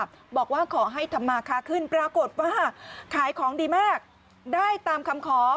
บอกว่าขอให้ทำมาค้าขึ้นปรากฏว่าขายของดีมากได้ตามคำขอ